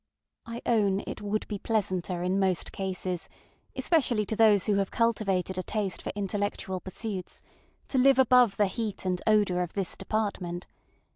I own it would be pleasanter in most cases, especially to those who have cultivated a taste for intellectual pursuits, to live above the heat and odor of this department.